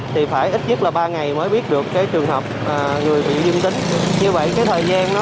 thì phải ít nhất là ba ngày mới biết được cái trường hợp người bị dương tính như vậy cái thời gian nó